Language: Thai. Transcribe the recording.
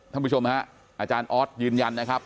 ท่านผู้ชมฮะอาจารย์ออสยืนยันนะครับ